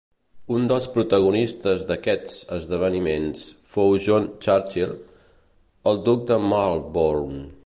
Un dels protagonistes d'aquests esdeveniments fou John Churchill, el duc de Marlborough.